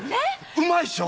うまいっしょ？